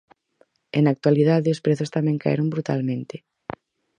E na actualidade os prezos tamén caeron brutalmente.